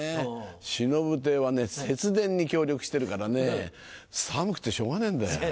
しのぶ亭は節電に協力してるからね寒くてしょうがねえんだよ。